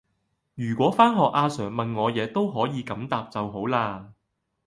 如果返學阿 sir 問我野都可以咁答就好勒!